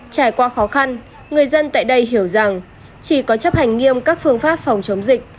trải qua khó khăn người dân tại đây hiểu rằng chỉ có chấp hành nghiêm các phương pháp phòng chống dịch